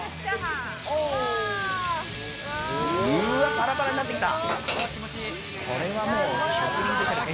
パラパラになってきた。